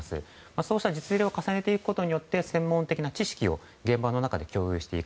そうした実例を重ねることで専門的な知識を現場で共有していく。